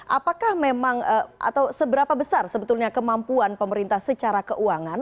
apakah memang atau seberapa besar sebetulnya kemampuan pemerintah secara keuangan